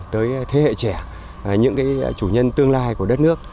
tới thế hệ trẻ những cái chủ nhân tương lai của đất nước